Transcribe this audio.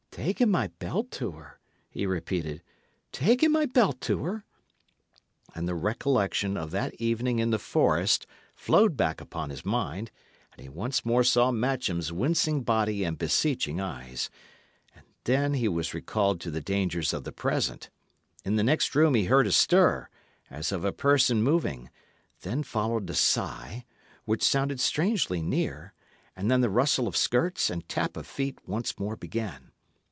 "Ta'en my belt to her!" he repeated. "Ta'en my belt to her!" And the recollection of that evening in the forest flowed back upon his mind, and he once more saw Matcham's wincing body and beseeching eyes. And then he was recalled to the dangers of the present. In the next room he heard a stir, as of a person moving; then followed a sigh, which sounded strangely near; and then the rustle of skirts and tap of feet once more began.